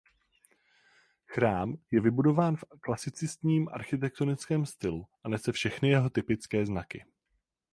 Chrám je vybudován v klasicistním architektonickém stylu a nese všechny jeho typické znaky.